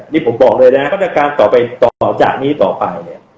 นี่ผมบอกเลยนะครับมาตรการต่อไปต่อจากนี้ต่อไปเนี่ย